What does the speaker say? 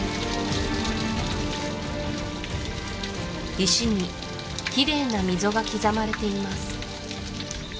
石にきれいな溝が刻まれています